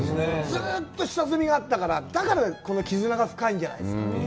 ずうっと下積みがあったから、だから絆が深いんじゃないですか。